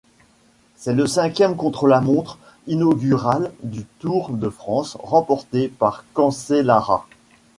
C'est le cinquième contre-la-montre inaugural du Tour de France remporté par Cancellara.